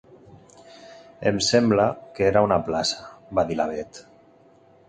Em sembla que era una plaça —va dir la Bet—.